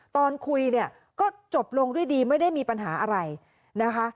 ตอนคุยเนี่ยก็จบลงด้วยดีไม่ได้มีปัญหาอะไรนะคะ